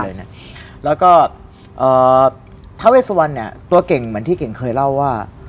แล้วก็ทาเวสวันเนี่ยตัวเก่งเหมือนที่เก่งเคยเล่าว่า